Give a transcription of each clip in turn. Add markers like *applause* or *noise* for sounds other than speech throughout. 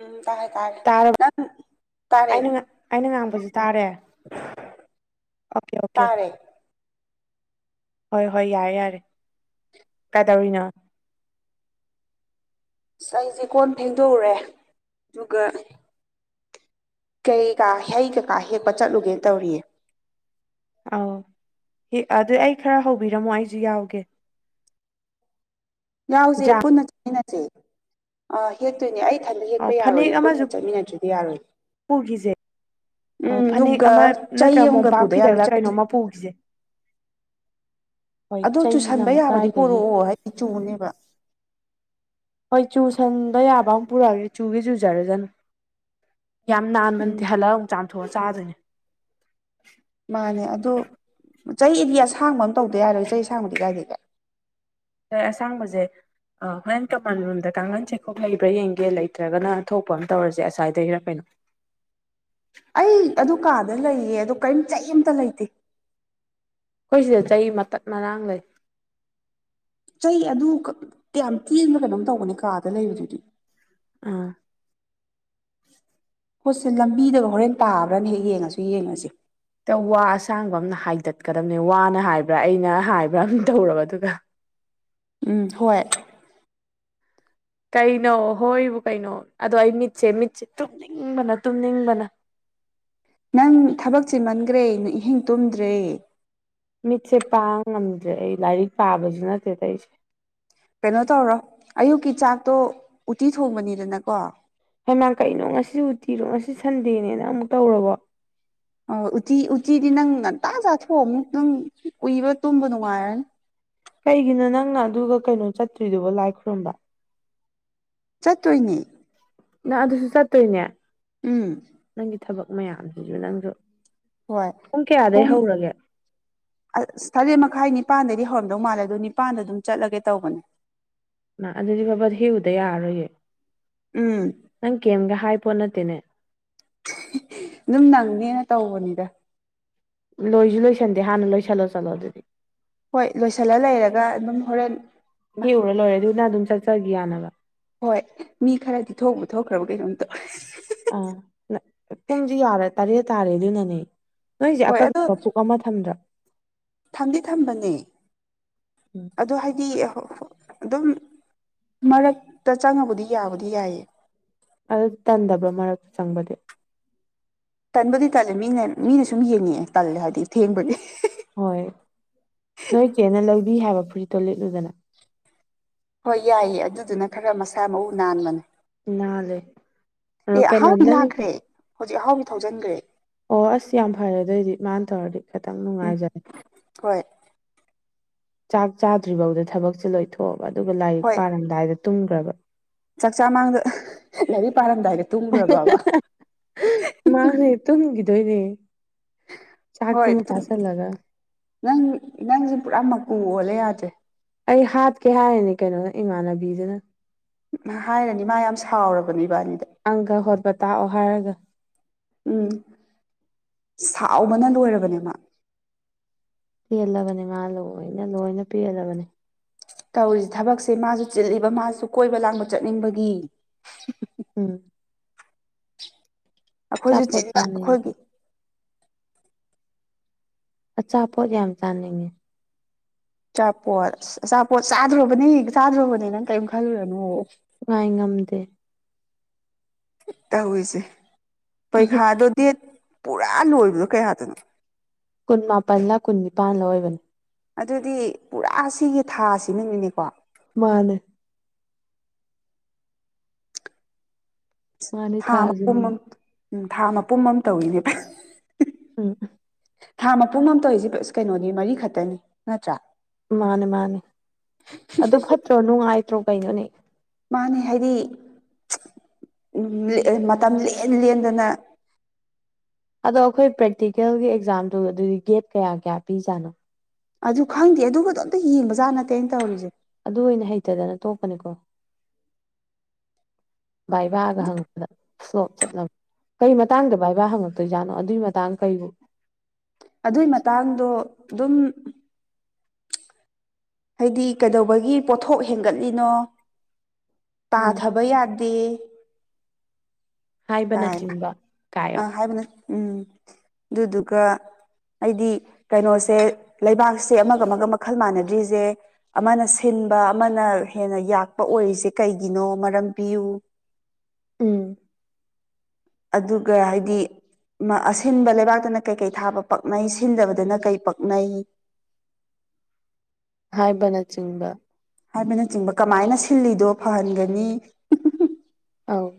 ꯎꯝ ꯇꯥꯔꯦ ꯇꯥꯔꯦ ꯇꯥꯔꯕ ꯅꯪ ꯇꯥꯔꯦ ꯑꯩꯅ ꯉꯥ ꯑꯩꯅ ꯉꯥꯡꯕꯁꯨ ꯇꯥꯔꯦ ꯑꯣꯀꯦ ꯑꯣꯀꯦ ꯇꯥꯔꯦ ꯍꯣꯏ ꯍꯣꯏ ꯌꯥꯔꯦ ꯌꯥꯔꯦ ꯀꯥꯏꯗꯧꯔꯤꯅꯣ ꯑꯁ ꯑꯩꯁꯦ ꯀꯣꯟ ꯐꯦꯡꯗꯣꯛꯎꯔꯦ ꯑꯗꯨꯒ ꯀꯩꯀꯥ ꯍꯩ ꯀꯀꯥ ꯍꯦꯛꯄ ꯆꯠꯂꯨꯒꯦ ꯇꯧꯔꯤꯌꯦ ꯑꯧ ꯍꯑꯗꯨ ꯑꯩ ꯈꯔ ꯍꯧꯕꯤꯔꯝꯃꯣ ꯑꯩꯁꯨ ꯌꯥꯎꯒꯦ ꯌꯥꯎꯁꯦ ꯖꯥ ꯄꯨꯟꯅ ꯆꯠꯃꯤꯟꯅꯁꯦ ꯑꯥ ꯍꯦꯛꯇꯣꯏꯅꯦ ꯑꯩ ꯏꯊꯟꯗ ꯑꯧ ꯍꯦꯛꯄ ꯌꯥꯔꯣꯏꯌꯦ ꯄꯨꯟꯅ ꯆꯠꯃꯤꯟꯅꯗ꯭ꯔꯗꯤ ꯌꯥꯔꯣꯏꯌꯦ ꯄꯨꯒꯤꯖꯦ ꯎꯝ ꯑꯗꯨꯒ ꯆꯩ ꯅꯠꯇ꯭ꯔꯒ ꯑꯃꯒ ꯃꯣꯝꯄꯥꯛ ꯄꯨꯗ ꯌꯥꯔꯣꯏ ꯐꯤꯗꯛꯂ ꯆꯩ ꯀꯩꯅꯣꯝꯃ ꯄꯨꯈꯤꯁꯦ ꯍꯣꯏ ꯑꯗꯣ ꯆꯩꯁꯤꯅ ꯆꯨꯁꯟꯕ ꯑꯃꯨꯛ ꯌꯥꯕꯗꯤ ꯀꯥꯏꯗꯒꯤ ꯄꯣꯔꯛꯑꯣ ꯍꯥꯏꯗꯤ ꯆꯨꯅꯦꯕ ꯍꯣꯏ ꯆꯨ ꯁꯟꯗ ꯌꯥꯕ ꯑꯃ ꯄꯨꯔꯛꯑꯒꯦ ꯆꯨꯒꯦ ꯆꯨꯖꯔꯨꯖꯅꯨ ꯌꯥꯝ ꯅꯥꯟꯕ ꯎꯝ ꯅꯠꯇꯦ ꯍꯜꯂꯛꯒ ꯑꯃꯨꯛ ꯆꯥꯝꯊꯣꯛꯑ ꯆꯥꯗꯣꯏꯅꯤ ꯃꯥꯅꯦ ꯑꯗꯨ ꯆꯩꯗꯤ ꯑꯁꯥꯡꯕ ꯑꯃ ꯇꯧꯗ ꯌꯥꯔꯣꯏ ꯆꯩꯗꯤ ꯑꯁꯥꯡꯕꯗꯤ ꯀꯥꯏꯗꯒꯤ ꯑꯁꯥꯡꯕꯁꯦ ꯍꯣꯔꯦꯟ ꯀꯃꯥꯟ ꯔꯨꯝꯗ ꯀꯥꯡꯈꯟ ꯆꯩꯈꯣꯛ ꯂꯩꯕ꯭ꯔꯥ ꯌꯦꯡꯒꯦ ꯂꯩꯇ꯭ꯔꯒꯅ ꯊꯣꯛꯄ ꯑꯃ ꯇꯧꯔꯁꯦ ꯑꯁ꯭ꯋꯥꯏꯗꯒꯤꯔ ꯀꯩꯅꯣ ꯑꯩ ꯑꯗꯨ ꯀꯥꯗ ꯂꯩꯌꯦ ꯑꯗꯨ ꯀꯔꯤꯝ ꯆꯩ ꯑꯃꯇ ꯂꯩꯇꯦ ꯑꯩꯈꯣꯏ ꯁꯤꯗ ꯆꯩ ꯃꯇꯠ ꯃꯔꯥꯡ ꯂꯩ ꯆꯩ ꯑꯗꯨ ꯌꯥꯝ ꯇꯦꯟꯕ꯭ꯔ ꯀꯩꯅꯣꯝ ꯇꯧꯕꯅꯦ ꯀꯥꯗ ꯂꯩꯕꯗꯨꯗꯤ ꯑꯥ ꯍꯣꯏꯁꯦ ꯂꯝꯕꯤꯗꯒ ꯍꯣꯔꯦꯟ ꯇꯥꯕ꯭ꯔꯅ ꯍꯦꯛ ꯌꯦꯡꯉꯁꯨ ꯌꯦꯡꯉꯁꯤ ꯋꯥ ꯑꯁꯥꯡꯕ ꯑꯃꯅ ꯍꯥꯏꯗꯠꯀꯗꯕꯅꯦ ꯋꯥꯅ ꯍꯥꯏꯕ꯭ꯔꯥ ꯑꯩꯅ ꯍꯥꯏꯕ꯭ꯔꯥ ꯑꯝ ꯇꯧꯔꯕ ꯑꯗꯨꯒ ꯎꯝ ꯍꯣꯏ ꯀꯩꯅꯣ ꯍꯣꯏꯕꯨ ꯀꯩꯅꯣ ꯑꯗꯣ ꯑꯩ ꯃꯤꯠꯁꯦ ꯃꯤꯠꯁꯦ ꯇꯨꯝꯅꯤꯡꯕꯅ ꯇꯨꯝꯅꯤꯡꯕꯅ ꯅꯪ ꯊꯕꯛ ꯆꯦꯃꯟꯈ꯭ꯔꯦꯪ ꯑꯍꯤꯡ ꯇꯨꯝꯗ꯭ꯔꯦ ꯃꯤꯠꯁꯦ ꯄꯥꯡꯕ ꯉꯝꯗ꯭ꯔꯦ ꯑꯩ ꯂꯥꯏꯔꯤꯛ ꯄꯥꯕꯁꯨ ꯅꯠꯇꯦ ꯇꯧꯏꯁꯦ ꯀꯩꯅꯣ ꯇꯧꯔꯣ ꯑꯌꯨꯛꯀꯤ ꯆꯥꯛꯇꯣ ꯎꯇꯤ ꯊꯣꯡꯕꯅꯤꯗꯅꯀꯣ ꯍꯩꯃꯥ ꯀꯩꯅꯣ ꯉꯁꯤ ꯎꯇꯤꯔꯣ ꯉꯁꯤ ꯁꯟꯗꯦꯅꯦꯅ ꯑꯃꯨꯛ ꯇꯧꯔꯕꯣ ꯑꯣ ꯎꯇꯤ ꯎꯇꯤꯗꯤ ꯅꯪ ꯉꯟꯇꯥ ꯆꯥꯊꯣꯛ ꯑꯃꯨꯛ ꯇꯨꯝ ꯎꯏꯕ ꯇꯨꯝꯕ ꯅꯨꯡꯉꯥꯏꯔꯅꯤ ꯀꯩꯒꯤꯅꯣ ꯅꯪꯅ ꯑꯗꯨꯒ ꯀꯩꯅꯣ ꯆꯠꯇꯔꯤꯗꯨꯕꯣ ꯂꯥꯏ ꯈꯨꯔꯨꯝꯕ ꯆꯠꯇꯣꯏꯅꯦ ꯅꯪ ꯑꯗꯨꯁꯨ ꯆꯠꯇꯣꯏꯅꯦ ꯎꯝ ꯅꯪꯒꯤ ꯊꯕꯛ ꯃꯌꯥꯝꯁꯤꯁꯨ ꯅꯪꯁꯨ ꯍꯣꯏ ꯀꯌꯥꯗꯩ ꯄꯨꯡ ꯍꯧꯔꯒꯦ ꯑꯁ ꯇꯔꯦꯠ ꯃꯈꯥꯏ ꯅꯤꯄꯥꯟꯗꯒꯤ ꯍꯧꯔꯝꯗꯧ ꯃꯥꯜꯂꯦ ꯑꯗꯨ ꯅꯤꯄꯜꯗ ꯑꯗꯨꯝ ꯆꯠꯂꯒꯦ ꯇꯧꯕꯅꯦ ꯃꯥ ꯑꯗꯨꯗꯤ ꯕꯕꯥ ꯍꯦꯛꯎꯨꯗ ꯌꯥꯔꯔꯣꯏꯌꯦ ꯎꯝ ꯅꯪ ꯀꯦꯝꯒ ꯍꯥꯏ ꯄꯣꯠ ꯅꯠꯇꯦꯅꯦ ꯑꯗꯨꯝ ꯅꯪꯅꯦꯅ ꯇꯧꯕꯅꯤꯗ ꯂꯣꯏꯖꯨ ꯂꯣꯏꯁꯟꯗꯦ ꯍꯥꯟꯅ ꯂꯣꯏꯁꯜꯂꯣ ꯆꯜꯂꯣ ꯑꯗꯨꯗꯤ ꯍꯣꯏ ꯂꯣꯏꯁꯤꯜꯂ ꯂꯩꯔꯒ ꯑꯗꯨꯝ ꯍꯣꯔꯦꯟ ꯍꯦꯛꯎꯔ ꯂꯣꯏꯔꯦ ꯑꯗꯨꯒ ꯅꯪ ꯑꯗꯨꯝ ꯆꯠꯆꯒꯤ ꯌꯥꯅꯕ ꯍꯣꯏ ꯃꯤ ꯈꯔꯗꯤ ꯊꯣꯛꯄꯨ ꯊꯣꯛꯈ꯭ꯔꯕ ꯀꯩꯅꯣꯝꯇꯧ ꯑꯥ ꯄꯨꯡꯖꯤ ꯌꯥꯔꯦ ꯇꯔꯦꯠ ꯇꯥꯔꯦ ꯑꯗꯨꯅꯅꯦ ꯅꯣꯏꯖꯦ ꯍꯣꯏ ꯑꯗꯣ ꯑꯀꯛꯅꯕ ꯄꯨꯡ ꯑꯃ ꯊꯝꯗ꯭ꯔꯥ ꯊꯝꯗꯤ ꯊꯝꯕꯅꯦ ꯑꯗꯣ ꯍꯥꯏꯗꯤ ꯑꯗꯨꯝ ꯃꯔꯛꯇ ꯆꯪꯉꯕꯨꯗꯤ ꯌꯥꯕꯨꯗꯤ ꯌꯥꯏꯌꯦ ꯑꯗꯨ ꯇꯟꯗꯕ꯭ꯔꯥ ꯃꯔꯛꯇ ꯆꯪꯕꯗꯤ ꯇꯟꯕꯨꯗꯤ ꯇꯜꯂꯦ ꯃꯤꯅ ꯃꯤꯅ ꯁꯨꯝ ꯌꯦꯡꯉꯛꯑꯦ ꯇꯜꯂꯦ ꯍꯥꯏꯗꯤ ꯊꯦꯡꯕꯒꯤ ꯍꯣꯏ ꯅꯣꯏ ꯆꯦꯅ ꯂꯧꯕꯤ ꯍꯥꯏꯕ ꯐꯨꯔꯤꯠꯇꯣ ꯂꯤꯠꯂꯨꯗꯅ ꯍꯣꯏ ꯌꯥꯏꯌꯦ ꯑꯗꯨꯗꯨꯅ ꯈꯔ ꯃꯁꯥ ꯃꯎ ꯅꯥꯟꯕꯅꯦ ꯅꯥꯜꯂꯦ ꯑꯦ ꯑꯗꯣ ꯀꯩꯅꯣ ꯑꯍꯥꯎꯕꯤ ꯅꯪ ꯂꯥꯛꯈ꯭ꯔꯦ ꯍꯧꯖꯤꯛ ꯑꯍꯥꯎꯕꯤ ꯊꯧꯖꯟꯒ꯭ꯔꯦ ꯑꯣ ꯑꯁ ꯌꯥꯝ ꯐꯔꯦ ꯑꯗꯣꯏꯗꯤ ꯃꯥꯅ ꯇꯧꯔꯗꯤ ꯈꯇꯪ ꯎꯝ ꯅꯨꯡꯉꯥꯏꯖꯔꯦ ꯍꯣꯏ ꯆꯥꯛ ꯆꯥꯗ꯭ꯔꯤꯕꯥꯎꯗ ꯊꯕꯛꯁꯦ ꯂꯣꯏꯊꯣꯛꯑꯕ ꯑꯗꯨꯒ ꯂꯥꯏꯔꯤꯛ ꯍꯣꯏ ꯄꯥꯔꯝꯗꯥꯏꯗ ꯇꯨꯝꯒ꯭ꯔꯕ ꯆꯥꯛꯆꯥ ꯃꯥꯡꯗ ꯂꯥꯏꯔꯤꯛ ꯄꯥꯔꯝꯗꯥꯏꯗ ꯇꯨꯝꯒ꯭ꯔꯕꯕ ꯃꯥꯅꯦ ꯇꯨꯝꯒꯤꯗꯣꯏꯅꯦ ꯍꯣꯏ ꯇꯨꯝ ꯅꯪ ꯅꯪꯖꯦ ꯄꯨꯔꯥ ꯃꯀꯨ ꯑꯣꯜꯂꯦ ꯌꯥꯗ꯭ꯔꯦ ꯑꯩ ꯍꯥꯠꯀꯦ ꯍꯥꯏꯔꯅꯤ ꯀꯩꯅꯣꯅ ꯏꯃꯥꯟꯅꯕꯤꯗꯨꯅ ꯍꯥꯏꯔꯅꯤ ꯃꯥ ꯌꯥꯝ ꯁꯥꯎꯔꯕꯅꯦ ꯏꯕꯥꯅꯤꯗ ꯑꯪꯀꯥ ꯍꯣꯠꯄ ꯇꯥꯛꯑꯣ ꯍꯥꯏꯔꯒ ꯎꯝ ꯁꯥꯎꯕꯅ ꯂꯣꯏꯔꯕꯅꯦ ꯃꯥ ꯄꯦꯜꯂꯕꯅꯦ ꯃꯥꯥ ꯂꯣꯏꯅ ꯂꯣꯏꯅ ꯄꯦꯜꯂꯕꯅꯤ ꯇꯧꯔꯤꯖꯦ ꯊꯕꯛꯁꯦ ꯃꯥꯁꯨ ꯆꯤꯜꯂꯤꯕ ꯃꯥꯖꯨ ꯀꯣꯏꯕ ꯂꯥꯡꯕ ꯆꯠꯅꯤꯡꯕꯒꯤ ꯎꯝ ꯑꯈꯣꯏꯖꯨ ꯑꯆꯥꯄꯣꯠ ꯆꯤꯟꯕ ꯆꯥꯅꯤꯡꯉꯤ ꯑꯈꯣꯏꯒꯤ ꯑꯆꯥꯄꯣꯠ ꯌꯥꯝ ꯆꯥꯅꯤꯡꯉꯦ ꯑꯆꯥꯄꯣꯠ ꯑꯁ ꯑꯆꯥꯄꯣꯠ ꯆꯥꯗ꯭ꯔꯣꯕꯅꯤ ꯆꯥꯗ꯭ꯔꯣꯕꯅꯦ ꯅꯪ ꯀꯔꯤꯝ ꯈꯜꯂꯨꯔꯅꯨꯑꯣ ꯉꯥꯏ ꯉꯝꯗꯦ ꯇꯧꯔꯤꯖꯦ ꯄꯩꯈꯥꯗꯣ ꯗꯦꯠ ꯄꯨꯔꯥ ꯂꯣꯏꯕꯗꯣ ꯀꯌꯥꯗꯅꯣ ꯀꯨꯟ ꯃꯥꯄꯜꯂ ꯀꯨꯟ ꯅꯤꯄꯥꯥꯟꯂ ꯑꯣꯏꯕꯅꯤ ꯑꯗꯨꯗꯤ ꯄꯨꯔꯥ ꯁꯤꯒꯤ ꯊꯥꯁꯤꯅꯅꯤꯅꯦꯀꯣ ꯃꯥꯅꯦ ꯃꯥꯅꯦ ꯊꯥ ꯃꯄꯨꯝ ꯑꯃ ꯊꯥꯁꯤꯃꯅ ꯎꯝ ꯊꯥ ꯃꯄꯨꯝ ꯑꯃ ꯇꯧꯋꯤꯅꯦ ꯎꯝ ꯊꯥ ꯃꯄꯨꯡ ꯑꯃꯝ ꯇꯧꯏꯖꯦ ꯀꯩ ꯑꯁ ꯀꯩꯅꯣꯅꯦ ꯃꯔꯤ ꯈꯛꯇꯅꯤ ꯅꯠꯇ꯭ꯔꯥ ꯎꯝ ꯃꯥꯅꯦ ꯃꯥꯅꯦ ꯑꯗꯨ ꯐꯠꯇ꯭ꯔꯣ ꯅꯨꯡꯉꯥꯏꯇ꯭ꯔꯣ ꯀꯩꯅꯣꯅꯦ ꯃꯥꯅꯦ ꯍꯥꯏꯗꯤ *unintelligible* ꯎꯝ ꯂꯦ ꯃꯇꯝ ꯂꯦꯟ ꯂꯦꯟꯗꯅ ꯑꯗꯣ ꯑꯈꯣꯏ ꯄ꯭ꯔꯦꯛꯇꯤꯀꯦꯜꯒꯤ ꯑꯦꯛꯖꯥꯝꯗꯣ ꯑꯗꯨꯗꯤ ꯒꯦꯞ ꯀꯌꯥ ꯀꯌꯥ ꯄꯤꯖꯥꯅꯣ ꯑꯗꯨ ꯈꯪꯗꯦ ꯑꯗꯨꯒꯗꯣ ꯑꯝꯇ ꯌꯦꯡꯕꯖꯥꯠ ꯅꯠꯇꯦꯅ ꯑꯩꯅ ꯇꯧꯔꯤꯖꯦ ꯑꯗꯨ ꯑꯣꯏꯅ ꯍꯩꯇꯗꯅ ꯇꯣꯛꯀꯅꯤꯀꯣ ꯚꯥꯏꯚꯥꯒ ꯍꯪꯉꯛꯄꯗ ꯐ꯭ꯂꯣꯞ ꯆꯠꯂꯕ ꯀꯩ ꯃꯇꯥꯡꯗ ꯚꯥꯏꯚꯥ ꯍꯪꯉꯛꯇꯣꯏꯖꯥꯠꯅꯣ ꯑꯗꯨꯏ ꯃꯇꯥꯡ ꯀꯩꯕꯨ ꯑꯗꯨꯏ ꯃꯇꯥꯡꯗꯣ ꯗꯨꯝ ꯍꯥꯏꯗꯤ ꯀꯩꯗꯧꯕꯒꯤ ꯄꯣꯠꯊꯣꯛ ꯍꯦꯟꯒꯠꯂꯤꯅꯣ ꯎꯝ ꯇꯥꯊꯕ ꯌꯥꯗꯦ ꯀꯥꯏꯅ ꯍꯥꯏꯕꯅꯆꯤꯡꯕ ꯀꯥꯏꯌꯣ ꯑꯥ ꯍꯥꯏꯕꯅꯦ ꯎꯝ ꯑꯗꯨꯗꯨꯒ ꯑꯩꯗꯤ ꯀꯩꯅꯣꯁꯦ ꯂꯩꯕꯥꯛꯁꯦ ꯑꯃꯒ ꯑꯃꯒ ꯃꯈꯜ ꯃꯥꯟꯅꯗ꯭ꯔꯤꯖꯦ ꯑꯃꯅ ꯁꯤꯟꯕ ꯑꯃꯅ ꯍꯦꯟꯅ ꯌꯥꯛꯄ ꯑꯣꯏꯔꯤꯖꯦ ꯀꯩꯒꯤꯅꯣ ꯃꯔꯝ ꯄꯤꯌꯨ ꯎꯝ ꯑꯗꯨꯒ ꯍꯥꯏꯗꯤ ꯃ ꯑꯁꯤꯟꯕ ꯂꯩꯕꯥꯛꯇꯅ ꯀꯩꯀꯩ ꯊꯥꯕ ꯄꯛꯅꯩ ꯁꯤꯟꯗꯕꯗꯅ ꯀꯩ ꯄꯛꯅꯩ ꯍꯥꯏꯕꯅꯆꯤꯡꯕ ꯍꯥꯏꯕꯅꯆꯤꯡꯕ ꯀꯃꯥꯏꯅ ꯁꯤꯜꯂꯤꯗꯣ ꯐꯍꯟꯒꯅꯤ ꯑꯧ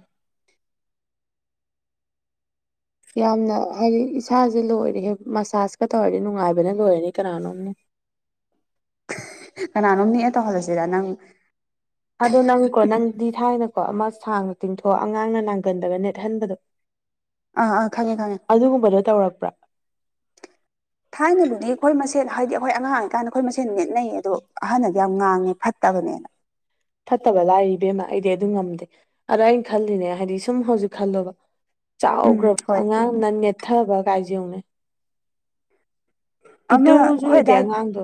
ꯌꯥꯝꯅ ꯍꯥꯏꯗꯤ ꯏꯁꯥꯖꯦ ꯂꯣꯏꯔꯦꯍꯦ ꯃꯁꯥꯁꯀ ꯇꯧꯔꯗꯤ ꯅꯨꯡꯉꯥꯏꯕꯅ ꯂꯣꯏꯔꯅꯤ ꯀꯅꯥꯅꯣꯝꯅ *unintelligible* ꯀꯅꯥꯅꯣꯝ ꯅꯦꯛꯑ ꯇꯧꯍꯜꯂꯁꯤꯔꯥ ꯅꯪ ꯑꯗꯣ ꯅꯪꯀꯣ ꯅꯪꯗꯤ ꯊꯥꯏꯅꯀꯣ ꯑꯃ ꯁꯥꯡꯅ ꯇꯤꯡꯊꯣꯛꯑ ꯑꯉꯥꯡꯅ ꯅꯥꯡꯒꯟꯗꯒ ꯅꯦꯠꯍꯟꯕꯗꯣ *inaudible* ꯑꯥ ꯑꯥ ꯈꯪꯉꯦ ꯈꯪꯉꯦ ꯑꯗꯨꯒꯨꯝꯕꯗꯣ ꯇꯧꯔꯛꯄ꯭ꯔꯣ ꯊꯥꯏꯅꯕꯨꯗꯤ ꯑꯩꯈꯣꯏ ꯃꯁꯦꯟ ꯍꯥꯏꯗꯤ ꯑꯩꯈꯣꯏ ꯑꯉꯥꯡ ꯑꯣꯏꯔꯤꯀꯥꯟꯗ ꯑꯩꯈꯣꯏ ꯃꯁꯦꯟ ꯅꯦꯠꯅꯩꯌꯦ ꯑꯗꯣ ꯑꯍꯟꯅꯗꯤ ꯌꯥꯝ ꯉꯥꯡꯉꯦ ꯐꯠꯇꯕꯅꯦꯅ ꯐꯠꯇꯕ ꯂꯥꯏꯔꯤ ꯏꯕꯦꯝꯃ ꯑꯩꯗꯤ ꯑꯗꯨ ꯉꯝꯗꯦ ꯑꯗ ꯑꯩꯅ ꯈꯜꯂꯤꯅꯦ ꯍꯥꯏꯗꯤ ꯁꯨꯝ ꯍꯧꯖꯤꯛ ꯈꯜꯂꯣꯕ ꯎꯝ ꯆꯥꯎꯒ꯭ꯔꯕ ꯍꯣꯏ ꯑꯉꯥꯡꯗꯨꯅ ꯅꯦꯠꯊꯕ ꯀꯥꯏꯖꯦ ꯌꯦꯡꯉꯨꯅꯦ ꯑꯃ ꯄꯤꯇꯨꯖꯨ ꯑꯩꯈꯣꯏ ꯑꯣꯏꯗꯦ ꯑꯗꯥꯏ ꯑꯉꯥꯡꯗꯣ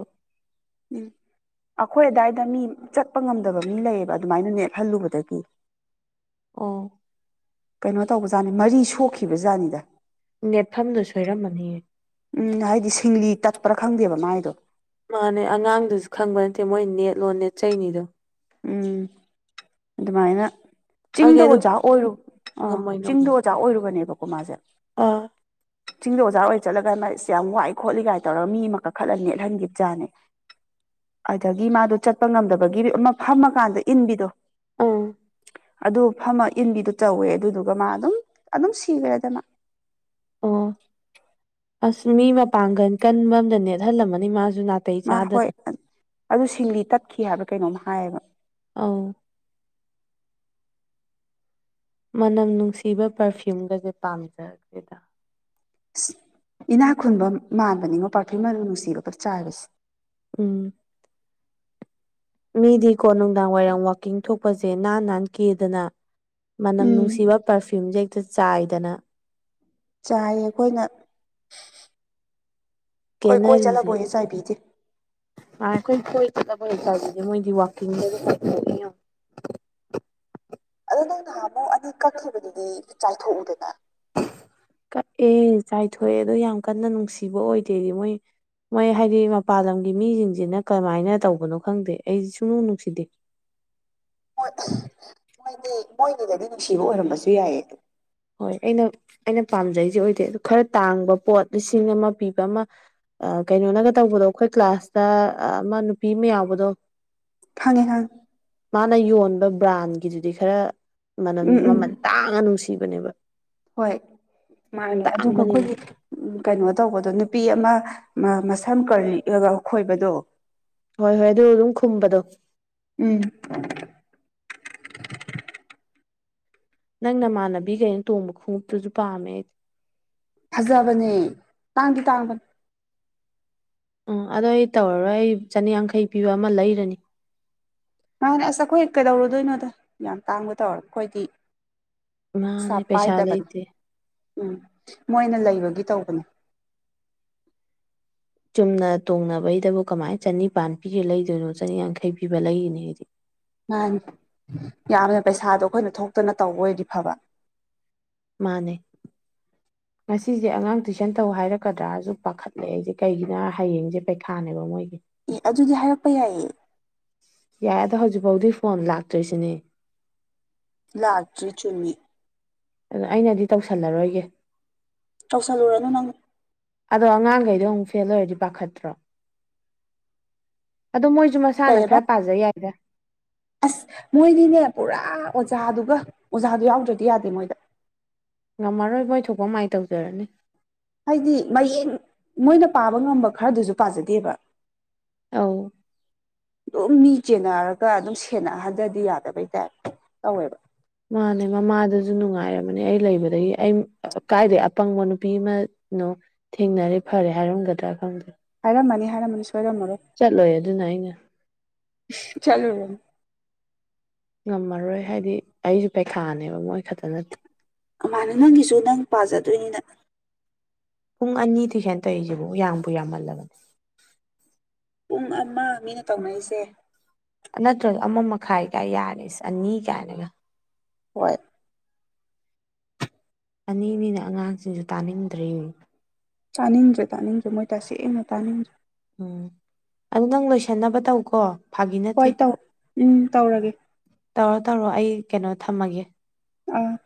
ꯎꯝ ꯑꯩꯈꯣꯏ ꯑꯗꯥꯏꯗ ꯃꯤ ꯆꯠꯄ ꯉꯝꯗꯕ ꯃꯤ ꯂꯩꯌꯦꯕ ꯑꯗꯨꯃꯥꯏꯅ ꯅꯦꯠꯍꯜꯂꯨꯕꯗꯒꯤ ꯑꯣ ꯀꯩꯅꯣ ꯇꯧꯕꯖꯥꯠꯅꯤ ꯃꯔꯤ ꯁꯣꯛꯈꯤꯕꯖꯥꯠꯅꯤꯗ ꯅꯦꯠꯐꯝꯗꯣ ꯁꯣꯏꯔꯝꯃꯅꯤꯌꯦ ꯎꯝ ꯍꯥꯏꯗꯤ ꯁꯤꯡꯂꯤ ꯇꯠꯄ꯭ꯔꯥ ꯈꯪꯗꯦꯕ ꯃꯥꯏꯗꯣ ꯃꯥꯅꯦ ꯑꯉꯥꯡꯗꯨꯁꯨ ꯈꯪꯕ ꯅꯠꯇꯦ ꯃꯣꯏ ꯅꯦꯠ ꯂꯣꯅ ꯅꯦꯠ ꯆꯩꯅꯤꯗꯣ ꯎꯝ ꯑꯗꯨꯃꯥꯏꯅ ꯑꯩꯗꯤ ꯆꯤꯡꯗ ꯑꯗꯨ ꯑꯣꯖꯥ ꯑꯣꯏꯔꯨ ꯑꯥ ꯉꯝꯃꯣꯏ ꯆꯤꯡꯗ ꯉꯝꯃꯣꯏ ꯖꯥ ꯑꯣꯏꯔꯨꯕꯅꯦꯕꯀꯣ ꯃꯥꯥꯁꯦ ꯑꯥ ꯆꯤꯡꯗ ꯑꯣꯖꯥ ꯑꯣꯏ ꯆꯠꯂꯒ ꯃꯥꯁ ꯌꯥꯝ ꯋꯥꯏ ꯈꯣꯠꯂꯤ ꯀꯥꯏ ꯇꯧꯔꯒ ꯃꯤ ꯑꯃ ꯀꯥꯈꯠꯂ ꯅꯦꯠꯍꯟꯒꯤꯕꯖꯥꯠꯅꯦ ꯑꯗꯒꯤ ꯃꯥꯗꯣ ꯆꯠꯄ ꯉꯝꯗꯕꯒꯤ ꯑꯃ ꯐꯝꯃꯀꯥꯟꯗ ꯏꯟꯕꯤꯗꯣ ꯑꯥ ꯑꯗꯨ ꯐꯝꯃ ꯏꯟꯕꯤꯗꯣ ꯇꯧꯋꯦ ꯑꯗꯨꯗꯨꯒ ꯃꯥ ꯑꯗꯨꯝ ꯑꯗꯨꯝ ꯁꯤꯒ꯭ꯔꯦꯗ ꯃꯥ ꯑꯣ ꯑꯥꯁ ꯃꯤ ꯃꯄꯥꯡꯒꯟ ꯀꯟꯕ ꯑꯝꯗ ꯅꯦꯠꯍꯜꯂꯝꯃꯅꯤ ꯃꯥꯁꯨ ꯅꯥꯠ__ ꯃꯥ ꯍꯣꯏ ꯑ ꯑꯗꯨ ꯁꯤꯡꯂꯤ ꯇꯠꯈꯤ ꯍꯥꯏꯕ꯭ꯔ ꯀꯩꯅꯣꯝꯃ ꯍꯥꯏꯌꯦꯕ ꯑꯥꯎ ꯃꯅꯝ ꯅꯨꯡꯁꯤꯕ ꯄꯔꯐ꯭ꯌꯨꯝꯒꯁꯦ ꯄꯥꯝꯖꯒ꯭ꯔꯦꯗ ꯏꯁ ꯏꯅꯥꯛ ꯈꯨꯟꯕ ꯃꯥꯟꯕꯅꯤꯉꯣ ꯄꯥꯔꯐ꯭ꯌꯨꯝ ꯃꯅꯝ ꯅꯨꯡꯁꯤꯕꯒ ꯆꯥꯏꯕꯁꯦ ꯎꯝ ꯃꯤꯗꯤꯀꯣ ꯅꯨꯡꯗꯥꯡ ꯋꯥꯏꯔꯝ ꯋꯥꯀꯤꯡ ꯊꯣꯛꯄꯁꯦ ꯅꯥꯟ ꯅꯥꯟ ꯀꯦꯗꯅ ꯃꯅꯝ ꯎꯝ ꯅꯨꯡꯁꯤꯕ__ ꯄꯔꯐ꯭ꯌꯨꯝꯁꯦ ꯍꯦꯛꯇ ꯆꯥꯏꯗꯅ ꯆꯥꯏꯌꯦ ꯑꯩꯈꯣꯏꯅ ꯈꯣꯏ ꯀꯣꯏ ꯆꯠꯂꯕꯧ ꯍꯦꯛ ꯆꯥꯏꯕꯤꯗꯦ ꯑ ꯀ ꯆ ꯋꯥꯀꯤ ꯅꯍꯥꯃꯨꯛ ꯑꯅꯤ ꯀꯛꯈꯤꯕꯗꯨꯗꯤ ꯆꯥꯏꯊꯣꯛꯎꯗꯅ ꯀꯛꯑꯦ ꯆꯥꯏꯊꯣꯛꯑꯦ ꯑꯗꯣ ꯌꯥꯝ ꯀꯟꯅ ꯅꯨꯡꯁꯤꯕ ꯑꯣꯏꯗꯦꯗꯤ ꯃꯣꯏ ꯃꯣꯏ ꯍꯥꯏꯗꯤ ꯃꯄꯥꯟ ꯂꯝꯒꯤ ꯃꯤꯁꯤꯡꯁꯤꯅ ꯀꯃꯥꯏꯅ ꯇꯧꯕꯅꯣ ꯈꯪꯗꯦ ꯑꯩꯗꯤ ꯁꯨꯡꯅꯨꯡ ꯅꯨꯡꯁꯤꯗꯦ ꯃꯣꯏ ꯃꯣꯏꯒꯤꯗꯗꯤ ꯅꯨꯡꯁꯤꯕ ꯑꯣꯏꯔꯝꯕꯁꯨ ꯌꯥꯏꯌꯦ ꯑꯗꯨ ꯍꯣꯏ ꯑꯩꯅ ꯑꯩꯅ ꯄꯥꯝꯖꯩꯁꯦ ꯑꯣꯏꯗꯦ ꯑ ꯈꯔ ꯇꯥꯡꯕ ꯄꯣꯠ ꯂꯤꯁꯤꯡ ꯑꯃ ꯄꯤꯕ ꯑꯃ ꯀꯩꯅꯣꯅꯒ ꯇꯧꯕꯗꯣ ꯑꯩꯈꯣꯏ ꯀ꯭ꯂꯥꯁꯇ ꯑꯃ ꯅꯨꯄꯤ ꯑꯃ ꯌꯥꯎꯕꯗꯣ ꯐꯪꯉꯦ ꯐꯪꯉꯦ ꯃꯥꯅ ꯌꯣꯟꯕ ꯕ꯭ꯔꯥꯟꯒꯤꯗꯨꯗꯤ ꯈꯔ ꯃꯅꯝ ꯎꯝ ꯎꯝ ꯃꯃꯜ ꯇꯥꯡꯉ ꯅꯨꯡꯁꯤꯕ ꯕ ꯍꯣꯏ ꯃꯥꯅꯦ ꯑꯗꯨꯒ ꯇꯥꯡꯕꯅꯤꯅ ꯑꯩꯈꯣꯏꯒꯤ ꯎ ꯀꯩꯅꯣ ꯇꯧꯕꯗꯣ ꯅꯨꯄꯤ ꯑꯃ ꯃꯁꯝ ꯀ ꯈꯣꯏꯕꯗꯣ ꯍꯣꯏ ꯍꯣꯏ ꯑꯗꯨ ꯑꯗꯨꯝ ꯈꯨꯝꯕꯗꯣ ꯎꯝ ꯅꯪ ꯅꯃꯥꯟꯅꯕꯤ ꯀꯩꯅꯣ ꯇꯣꯡꯕ ꯈꯣꯡꯎꯞꯇꯨꯁꯨ ꯄꯥꯝꯃꯦ ꯐꯖꯕꯅꯦ ꯇꯥꯡꯗꯤ ꯇꯥꯡꯕꯅꯦ ꯎꯝ ꯑꯗꯣ ꯑꯩ ꯇꯧꯔꯔꯣꯏ ꯑꯩ ꯆꯅꯤꯌꯥꯡꯈꯩ ꯄꯤꯕ ꯑꯃ ꯂꯩꯔꯅꯤ ꯃꯥꯍꯥꯟꯅꯦ ꯑꯁ ꯑꯩꯈꯣꯏ ꯀꯩꯗꯧꯔꯗꯣꯏꯅꯣꯗ ꯌꯥꯝ ꯇꯥꯡꯕ ꯇꯧꯔ ꯑꯩꯈꯣꯏꯗꯤ ꯃꯥꯅꯦ ꯄꯩꯁꯥ ꯄꯥꯏꯗꯕꯅꯤ ꯂꯩꯇꯦ ꯎꯝ ꯃꯣꯏꯅ ꯂꯩꯕꯒꯤ ꯇꯧꯕꯅꯦ ꯆꯨꯝꯅ ꯇꯣꯡꯅꯕꯩꯗꯕꯨ ꯀꯃꯥꯏꯅ ꯆꯅꯤꯄꯥꯟ ꯄꯤꯒꯦ ꯂꯩꯗꯣꯏꯅꯣ ꯆꯅꯤꯌꯥꯡꯈꯩ ꯄꯤꯕ ꯂꯩꯔꯤꯅꯤ ꯍꯥꯏꯗꯤ ꯃꯥꯅꯤ ꯌꯥꯝꯅ ꯄꯩꯁꯥꯗꯣ ꯑꯩꯈꯣꯏꯅ ꯊꯣꯛꯇꯅ ꯇꯧꯕ ꯑꯣꯏꯗꯤ ꯐꯕ ꯃꯥꯅꯦ ꯉꯁꯤꯁꯦ ꯑꯉꯥꯡ ꯇꯨꯏꯁꯟ ꯇꯧ ꯍꯥꯏꯔꯛꯀꯗ꯭ꯔꯥꯁꯨ ꯄꯥꯈꯠꯂꯛꯑꯦ ꯑꯩꯁꯦ ꯀꯩꯒꯤꯅꯣ ꯍꯌꯦꯡꯁꯦ ꯄꯩꯈꯥꯅꯦꯕ ꯃꯣꯏꯒꯤ ꯑꯦ ꯑꯗꯨꯗꯤ ꯍꯥꯏꯔꯛꯄ ꯌꯥꯏꯌꯦ ꯌꯥꯏ ꯑꯗꯣ ꯍꯧꯖꯤꯛꯐꯥꯎꯗꯤ ꯐꯣꯟ ꯂꯥꯛꯇꯣꯏꯁꯤꯅꯦ ꯂꯥꯆꯔꯤ ꯆꯨꯝꯃꯤ ꯑꯗꯨ ꯑꯩꯅꯗꯤ ꯇꯧꯁꯜꯂꯔꯣꯏꯒꯦ ꯇꯧꯁꯜꯂꯨꯔ ꯑꯗꯨ ꯅꯪ ꯑꯗꯣ ꯑꯉꯥꯡꯈꯩꯗꯣ ꯑꯃꯨꯛ ꯐꯦꯜ ꯑꯣꯏꯔꯗꯤ ꯄꯥꯈꯠꯇ꯭ꯔꯣ ꯑꯗꯣ ꯃꯣꯏꯁꯨ ꯃꯁꯥꯅ ꯀꯩꯑꯕ ꯈꯔ ꯄꯥꯖꯩ ꯌꯥꯏꯗ ꯑꯁ ꯃꯣꯏꯗꯤꯅꯦ ꯄꯨꯔꯥ ꯑꯣꯖꯥꯗꯨꯒ ꯑꯣꯖꯥꯗꯨ ꯌꯥꯎꯗ꯭ꯔꯗꯤ ꯌꯥꯗꯦ ꯃꯣꯏꯗ ꯉꯝꯃꯔꯣꯏ ꯃꯣꯏ ꯊꯣꯛꯄ ꯃꯥꯏ ꯇꯧꯖꯔꯅꯤ ꯍꯥꯏꯗꯤ ꯃꯌꯦꯡ ꯃꯣꯏꯅ ꯄꯥꯕ ꯉꯝꯕ ꯈꯔꯗꯨꯁꯨ ꯄꯥꯖꯗꯦꯕ ꯑꯧ ꯑꯗꯨꯝ ꯃꯤ ꯆꯦꯟꯅꯔꯒ ꯑꯗꯨꯝ ꯁꯦꯟꯅꯍꯟꯊꯗꯤ ꯌꯥꯗꯕꯩ ꯇꯥꯏꯞ ꯇꯧꯋꯦꯕ ꯃꯥꯅꯦ ꯃꯃꯥꯗꯁꯨ ꯅꯨꯡꯉꯥꯏꯔꯕꯅꯦ ꯑꯩ ꯂꯩꯕꯗꯒꯤ ꯑꯩ ꯀꯥꯏꯗꯩ ꯑꯄꯪꯕ ꯅꯨꯄꯤ ꯑꯃꯅꯣ ꯊꯦꯡꯅꯔꯦ ꯐꯔꯦ ꯍꯥꯏꯔꯝꯒꯗ꯭ꯔꯥ ꯈꯪꯗꯦ ꯍꯔ ꯃꯅꯤ ꯍ ꯍꯥꯏꯔꯝ ꯃꯅꯤ ꯁꯣꯏꯔꯝ ꯃꯔꯣ ꯆꯠꯂꯣꯏ ꯑꯗꯨꯅ ꯑꯩꯅ ꯆꯂꯨꯝ ꯉꯝꯃꯔꯣꯏ ꯍꯥꯏꯗꯤ ꯑꯩꯁꯨ ꯄꯩꯈꯥꯅꯦꯕ ꯃꯣꯏ ꯈꯛꯇ ꯅꯠꯇꯦ ꯃꯥꯅꯦ ꯅꯪꯒꯤꯁꯨ ꯅꯪ ꯄꯥꯖꯗꯣꯏꯅꯤꯗ ꯄꯨꯡ ꯑꯅꯤ ꯊ ꯍꯦꯅ ꯇꯧꯔꯤꯏꯁꯦꯕꯨꯥꯎ ꯌꯥꯡꯕꯨ ꯌꯥꯝꯃꯜꯂꯕꯅꯦ ꯄꯨꯡ ꯑꯃ ꯃꯤꯅ ꯇꯧꯅꯔꯤꯁꯦ ꯅꯠꯇ꯭ꯔꯒ ꯑꯃ ꯃꯈꯥꯏ ꯀꯥꯏ ꯌꯥꯔꯦꯁ ꯑꯅꯤ ꯀꯥꯏꯅꯒ ꯍꯣꯏ ꯑꯅꯤꯅꯤꯅ ꯑꯉꯥꯡꯁꯤꯡꯁꯨ ꯇꯥꯅꯤꯡꯗ꯭ꯔꯔꯤ ꯆꯥꯅꯤꯡꯗ꯭ꯔꯦ ꯇꯥꯅꯤꯡꯗ꯭ꯔꯦ ꯃꯣꯏ ꯇꯁꯦꯡꯅ ꯇꯥꯅꯤꯡꯗ꯭ꯔꯦ ꯎꯝ ꯑꯗꯨ ꯅꯪ ꯂꯣꯏꯁꯟꯅꯕ ꯇꯧꯀꯣ ꯐꯥꯒꯤ ꯅꯠꯇꯦ ꯍꯣꯏ ꯇꯧ ꯎꯝ ꯇꯧꯔꯒꯦ ꯇꯧꯔꯣ ꯇꯧꯔꯣ ꯑꯩ ꯀꯩꯅꯣ ꯊꯝꯃꯒꯦ ꯑ